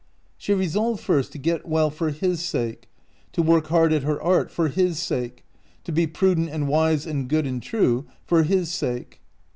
She resolved first to get well for his sake, to work hard at her art for his sake, to be prudent and wise and good and true for his sake.